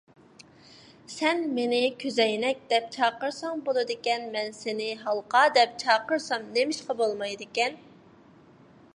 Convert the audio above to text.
سەن مېنى «كۆزەينەك» دەپ چاقىرساڭ بولىدىكەن، مەن سېنى «ھالقا» دەپ چاقىرسام نېمىشقا بولمايدىكەن؟